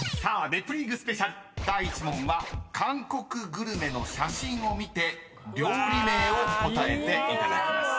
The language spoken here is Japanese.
［『ネプリーグ』スペシャル第１問は韓国グルメの写真を見て料理名を答えていただきます］